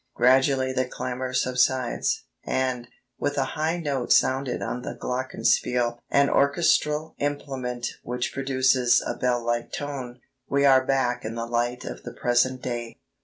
Gradually the clamor subsides," and, with a high note sounded on the glockenspiel [an orchestral implement which produces a bell like tone], "we are back in the light of the present day.